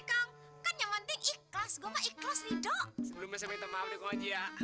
kan yang penting ikhlas gua ikhlas lido sebelumnya saya minta maaf ya kongji ya